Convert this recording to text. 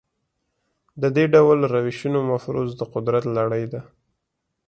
د دې ډول روشونو مفروض د قدرت لړۍ ده.